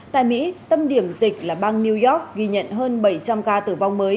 tại mỹ tâm điểm dịch là bang new york ghi nhận hơn bảy trăm linh ca tử vong mới